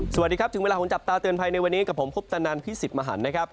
สวัสดีครับถึงเวลาของจับตาเตือนภัยในวันนี้กับผมคุปตนันพี่สิทธิ์มหันนะครับ